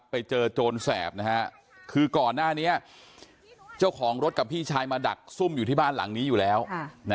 โจรแสบนะฮะคือก่อนหน้านี้เจ้าของรถกับพี่ชายมาดักซุ่มอยู่ที่บ้านหลังนี้อยู่แล้ว